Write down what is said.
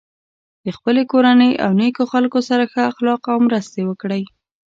د خپل کورنۍ او نیکو خلکو سره ښه اخلاق او مرستې وکړی.